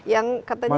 yang katanya satu